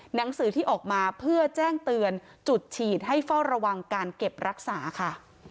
หนังสือที่ออกมาเพื่อแจ้งเตือนจุดฉีดให้เฝ้าระวังการเก็บรักษาค่ะ